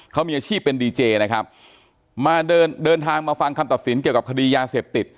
เขามีอาชีพเป็นดีเจนะครับมาเดินเดินทางมาฟังคำตัดสินเกี่ยวกับคดียาเสพติด